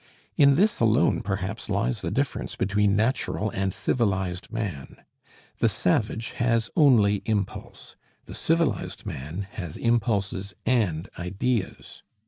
In this alone, perhaps, lies the difference between natural and civilized man. The savage has only impulse; the civilized man has impulses and ideas.